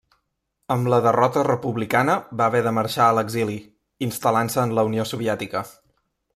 Amb la derrota republicana va haver de marxar a l'exili, instal·lant-se en la Unió Soviètica.